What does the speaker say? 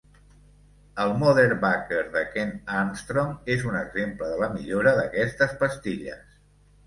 El "Motherbucker" de Kent Armstrong és un exemple de la millora d'aquestes pastilles.